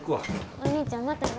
お兄ちゃんまたな。